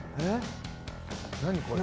何これ。